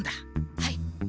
はい。